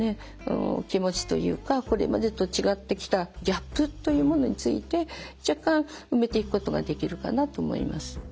気持ちというかこれまでと違ってきたギャップというものについて若干埋めていくことができるかなと思います。